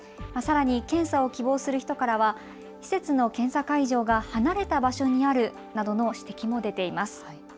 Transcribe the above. さらに検査を希望する人からは施設の検査会場が離れた場所にあるなどの指摘も出ています。